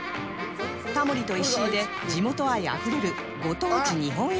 タモリと石井で地元愛あふれるご当地日本一対決も